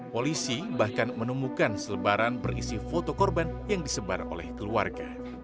polisi bahkan menemukan selebaran berisi foto korban yang disebar oleh keluarga